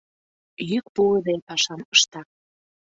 Йӱк пуыде пашам ышта.